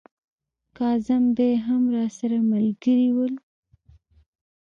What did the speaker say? کاظم بې هم راسره ملګري ول.